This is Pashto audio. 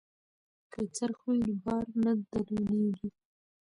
که څرخ وي نو بار نه درندیږي.